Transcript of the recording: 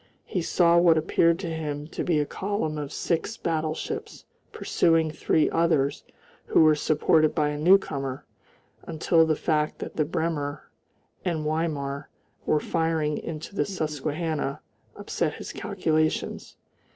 He saw what appeared to him to be a column of six battleships pursuing three others who were supported by a newcomer, until the fact that the Bremen and Weimar were firing into the Susquehanna upset his calculations.